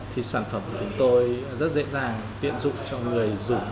thì sản phẩm của chúng tôi rất dễ dàng tiện dụng cho người dùng